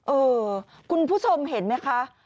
เออคุณผู้ชมเห็นไหมคะ